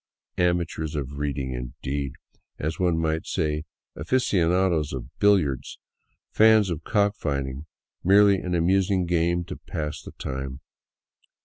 " Amateurs of reading," indeed ! As one might say, aficionados of billiards, "fans" of cock fighting; merely an amusing game to pass the time.